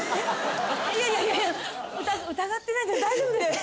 いやいやいや疑ってないんで大丈夫ですか？